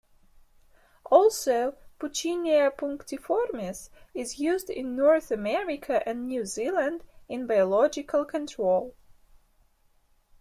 Also "Puccinia punctiformis" is used in North America and New Zealand in biological control.